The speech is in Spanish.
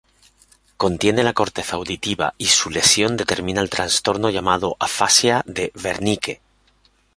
Contiene la corteza auditiva y su lesión determina el trastorno llamado afasia de Wernicke.